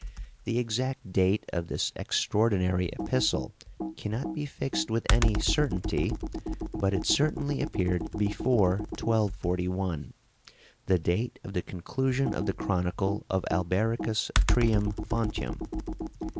The exact date of this extraordinary epistle cannot be fixed with any certainty, but it certainly appeared before 1241, the date of the conclusion of the chronicle of Albericus Trium Fontium.